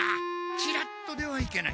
チラッとではいけない。